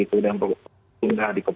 kemudian perusahaan pemerintah di kota